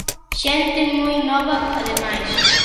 Xente moi nova, ademais.